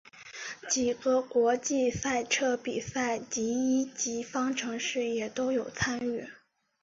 几个国际赛车比赛及一级方程式也都有参与。